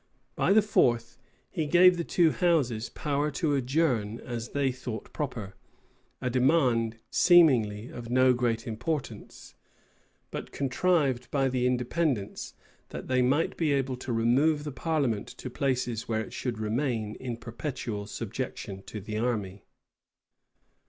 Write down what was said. By the fourth, he gave the two houses power to adjourn as they thought proper; a demand seemingly of no great importance, but contrived by the Independents, that they might be able to remove the parliament to places where it should remain in perpetual subjection to the army.